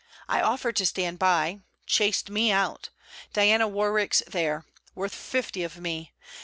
I offered to stand by... Chased me out. Diana Warwick's there: worth fifty of me!